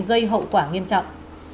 gây hậu quả nghiêm trọng